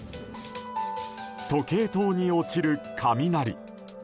時計塔に落ちる雷。